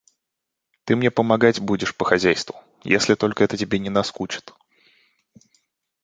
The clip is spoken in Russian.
Ты мне помогать будешь по хозяйству, если только это тебе не наскучит.